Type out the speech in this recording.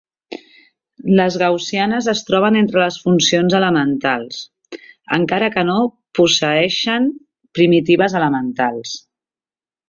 Les gaussianes es troben entre les funcions elementals, encara que no posseïxen primitives elementals.